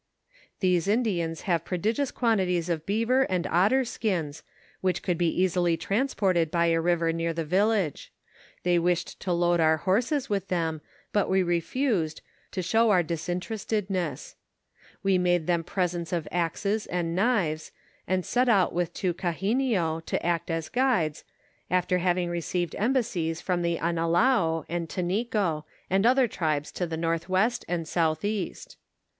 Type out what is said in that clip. These Indians have pro digious quantities of beaver and otter skins, which could be easily transported by a river near the village ; they wished to load our horses with them, but we refused, to show our disin terestedness ; we made them presents of axes and knives, and set out with two Gahinnio to act as guides, after having re ceived embassies from the Analao and Tanico, and other tribes to the northwest and southeast.